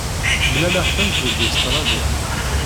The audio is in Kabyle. Mlaleɣ-tent deg Ustṛalya.